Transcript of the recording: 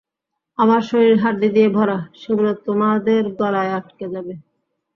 আমার শরীর হাড্ডি দিয়ে ভরা, সেগুলো তোমাদের গলায় আঁটকে যাবে।